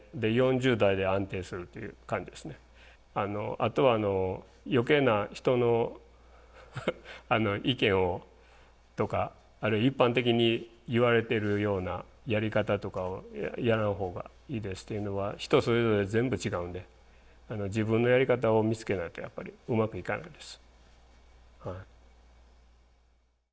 あとは余計な人の意見とかあるいは一般的にいわれてるようなやり方とかをやらんほうがいいですというのは人それぞれ全部違うんで自分のやり方を見つけないとやっぱりうまくいかないです。